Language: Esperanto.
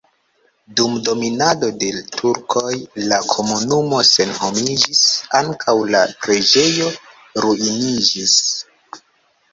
Dum dominado de turkoj la komunumo senhomiĝis, ankaŭ la preĝejo ruiniĝis.